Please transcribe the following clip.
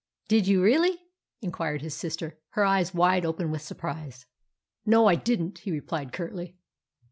"Did you really?" inquired his sister, her eyes wide open with surprise. "No, I didn't," he replied curtly.